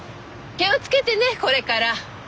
気を付けてねこれから。